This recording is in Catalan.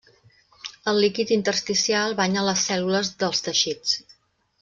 El líquid intersticial banya les cèl·lules dels teixits.